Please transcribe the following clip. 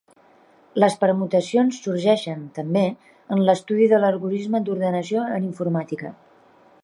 Les permutacions sorgeixen, també, en l'estudi de l'algorisme d'ordenació en informàtica.